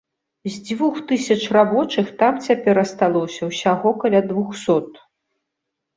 З дзвюх тысяч рабочых там цяпер асталося ўсяго каля двухсот.